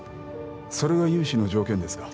それが融資の条件ですか